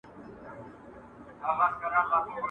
له دښتونو خالي لاس نه وو راغلی ..